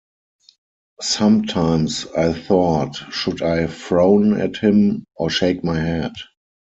Sometimes I thought, should I frown at him or shake my head.